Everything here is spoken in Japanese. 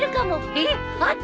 えっあった！